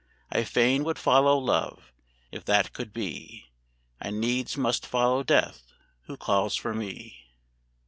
("I fain would follow love, if that could be: I needs must follow death, who calls for me.")